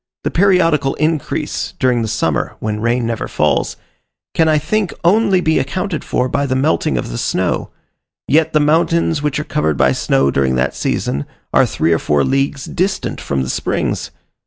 The periodical increase during the summer, when rain never falls, can, I think, only be accounted for by the melting of the snow: yet the mountains which are covered by snow during that season, are three or four leagues distant from the springs.